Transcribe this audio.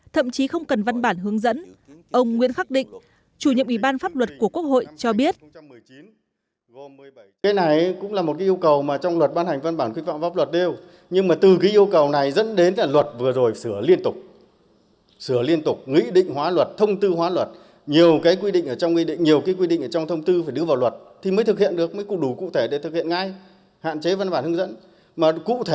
thậm chí không cần văn bản hướng dẫn ông nguyễn khắc định chủ nhiệm ủy ban pháp luật của quốc hội cho biết